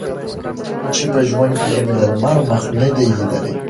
چي په ژوند یې د لمر مخ نه دی لیدلی